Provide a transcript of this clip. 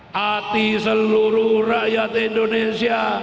hati seluruh rakyat indonesia